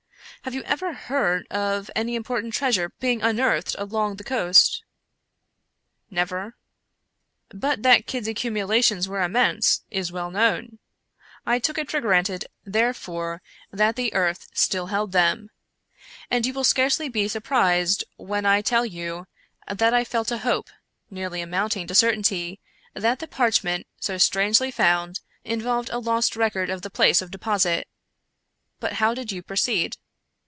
Have you ever heard of any important treasure being unearthed along the coast ?"" Never." " But that Kidd's accumulations were immense, is well known. I took it for granted, therefore, that the earth still 153 American Mystery Stories held them ; and you will scarcely be surprised when I tell you that I felt a hope, nearly amounting to certainty, that the parchment so strangely found involved a lost record of the place of deposit." " But how did you proceed